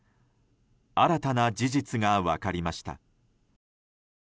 新たな事実が分かりました。